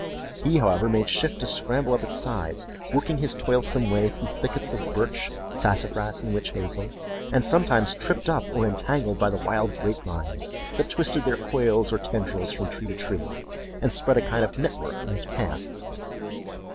He, however, made shift to scramble up its sides, working his toilsome way through thickets of birch, sassafras, and witch hazel, and sometimes tripped up or entangled by the wild grapevines that twisted their coils or tendrils from tree to tree, and spread a kind of network in his path.